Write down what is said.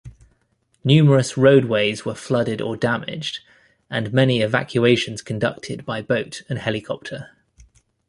Numerous roadways were flooded or damaged and many evacuations conducted by boat and helicopter.